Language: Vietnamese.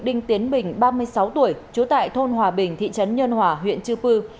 đinh tiến bình ba mươi sáu tuổi trú tại thôn hòa bình thị trấn nhân hòa huyện chư pư